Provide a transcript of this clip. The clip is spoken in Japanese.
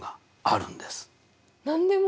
何でも？